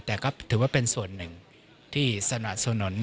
แต่ก็ถือว่าเป็นส่วนหนึ่งที่สนับสนุน